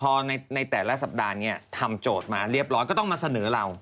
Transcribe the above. พอในแต่ละสัปดาห์นี้ทำโจทย์มาเรียบร้อยก็ต้องมาเสนอเรา